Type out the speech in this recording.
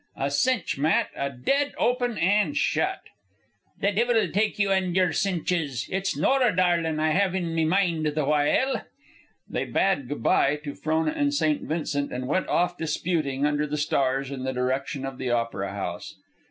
A cinch, Matt, a dead open an' shut." "The devil take you an' yer cinches! It's Nora darlin' I have in me mind the while." They bade good by to Frona and St. Vincent and went off disputing under the stars in the direction of the Opera House.